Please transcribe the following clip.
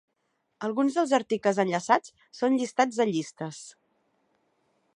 Alguns dels articles enllaçats són llistats de llistes.